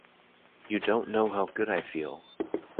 You don’t know how good I feel!